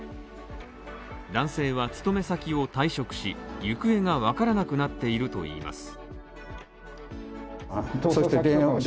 男性は勤め先を退職し、行方が分からなくなっているといいます。